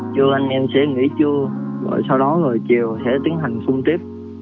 trưa anh em sẽ nghỉ trưa rồi sau đó chiều sẽ tiến hành phun tiếp